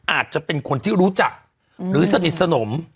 อาจจะเป็นคนที่รู้จักหรือสนิทสนม